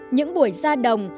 những buổi ra đồng